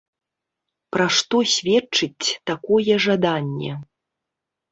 Пра што сведчыць такое жаданне?